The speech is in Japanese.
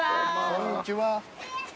こんにちは。